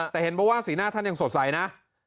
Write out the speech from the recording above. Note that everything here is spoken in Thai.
แต่เห็นเพราะว่าสีหน้าท่านยังสดใสนะ